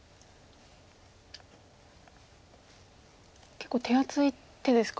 結構手厚い手ですか